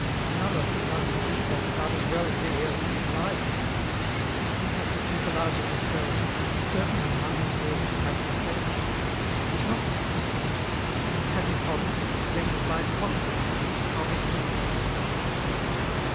"Another who loves this epoch about as well as Des Hermies and I do. But he has the tutelage of his bells, and certainly among his wards he has his favourite. He is not to be pitied. He has his hobby, which renders life possible for him, as hobbies do."